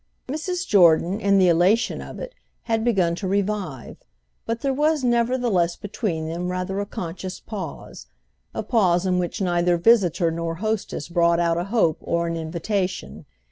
Mrs. Jordan, in the elation of it, had begun to revive; but there was nevertheless between them rather a conscious pause—a pause in which neither visitor nor hostess brought out a hope or an invitation.